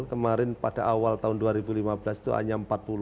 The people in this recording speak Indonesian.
kemarin pada awal tahun dua ribu lima belas itu hanya empat puluh